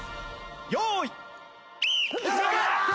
用意。